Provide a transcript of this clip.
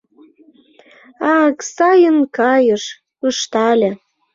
— Ак, сайын кайыш... — ыштале.